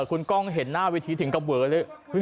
คุณกล้องเห็นหน้าเวทีถึงกับเวอเลย